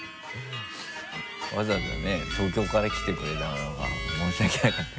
わざわざね東京から来てくれたのが申し訳なかった。